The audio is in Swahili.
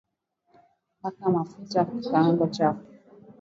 paka mafuta kikaango chako